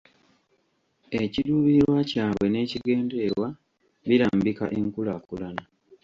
Ekiruubirirwa kyabwe n'ekigendererwa birambika enkulaakulana.